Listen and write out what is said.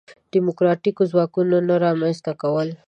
دیموکراتیکو ځواکونو نه رامنځته کول.